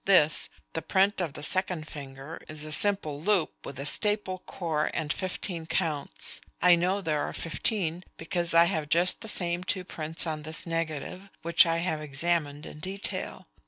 This, the print of the second finger, is a simple loop, with a staple core and fifteen counts. I know there are fifteen, because I have just the same two prints on this negative, which I have examined in detail.